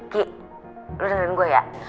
ki lu dengerin gua ya